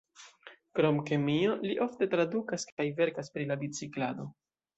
Krom kemio li ofte tradukas kaj verkas pri la biciklado.